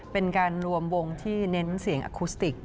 เป็นการรวมวงที่เน้นเสียงอคุสติก